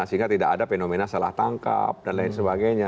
sehingga tidak ada fenomena salah tangkap dan lain sebagainya